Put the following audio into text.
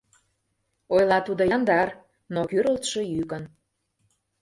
— ойла тудо яндар, но кӱрылтшӧ йӱкын.